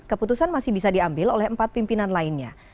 keputusan masih bisa diambil oleh empat pimpinan lainnya